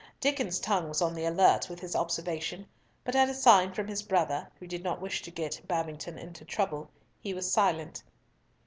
Diccon's tongue was on the alert with his observation, but at a sign from his brother, who did not wish to get Babington into trouble, he was silent.